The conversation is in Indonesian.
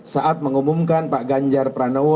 saat mengumumkan pak ganjar pranowo